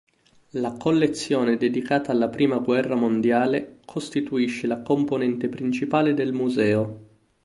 La collezione dedicata alla Prima guerra mondiale costituisce la componente principale del museo.